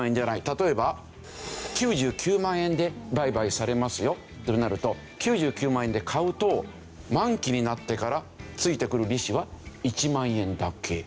例えば９９万円で売買されますよとなると９９万円で買うと満期になってから付いてくる利子は１万円だけ。